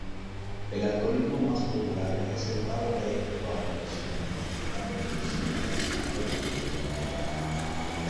El algoritmo más popular es el Barrodale-Roberts modificado Simplex algoritmo.